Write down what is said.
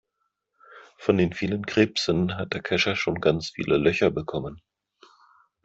Von den vielen Krebsen hat der Kescher schon ganz viele Löcher bekommen.